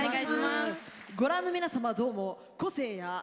ご覧の皆様どうも個性や。